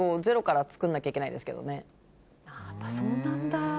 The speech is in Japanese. やっぱそうなんだ！